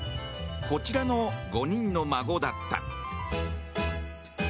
こちらの５人の孫だった。